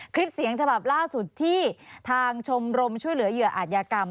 คลิปเสียงฉบับล่าสุดที่ทางชมรมช่วยเหลือเหยื่ออาจยากรรม